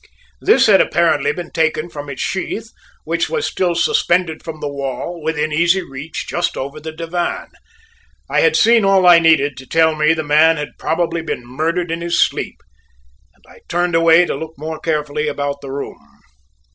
This had apparently been taken from its sheath, which was still suspended from the wall, within easy reach, just over the divan. I had seen all I needed to tell me the man had probably been murdered in his sleep, and I turned away to look more carefully about the room.